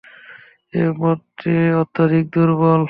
এ মতটি অত্যধিক দুর্বল।